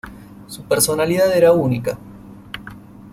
Su personalidad era única.